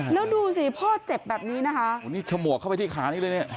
แล้วดูสิพ่อเจ็บแบบนี้นะคะโอ้นี่ฉมวกเข้าไปที่ขานี้เลยเนี่ย